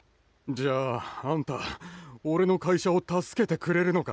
じゃああんた俺の会社を助けてくれるのか？